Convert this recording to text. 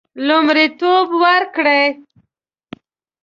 لومړیتوب ورکړي.